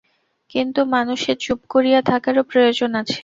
কিন্তু মানুষের চুপ করিয়া থাকারও প্রয়োজন আছে।